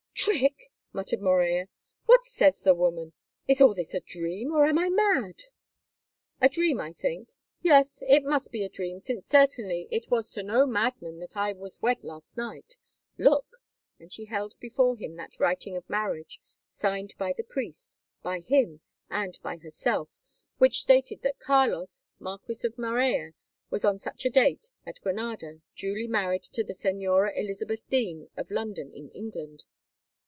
"Trick!" muttered Morella. "What says the woman? Is all this a dream, or am I mad?" "A dream, I think. Yes, it must be a dream, since certainly it was to no madman that I was wed last night. Look," and she held before him that writing of marriage signed by the priest, by him, and by herself, which stated that Carlos, Marquis of Morella, was on such a date, at Granada, duly married to the Señora Elizabeth Dene of London in England.